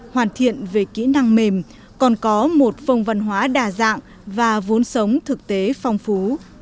hoàn thiện về kỹ năng mềm còn có một phong văn hóa đa dạng và vốn sống thực tế phong phú